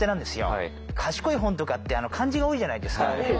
僕賢い本とかって漢字が多いじゃないですか。